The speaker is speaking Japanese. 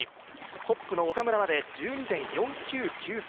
トップの岡村まで１２．４９９差。